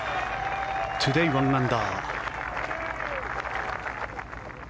トゥデー１アンダー。